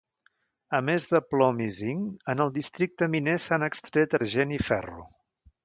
A més de plom i zinc, en el districte miner s'han extret argent i ferro.